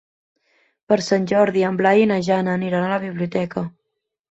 Per Sant Jordi en Blai i na Jana aniran a la biblioteca.